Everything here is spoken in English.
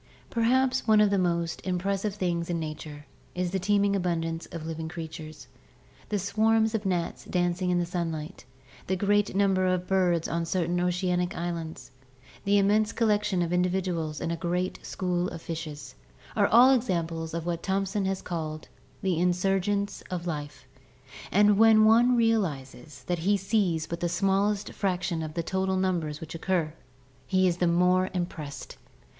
— Perhaps one of the most impres sive things in nature is the teeming abundance of living creatures. The swarms of gnats dancing in the sunlight, the great number of birds on certain oceanic islands, the immense collection of in dividuals in a great school of fishes: all are examples of what Thom son has called the " insurgence of life," and when one realizes that he sees but the smallest fraction of the total numbers which occur, he is the more impressed.